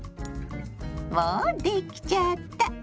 もうできちゃった。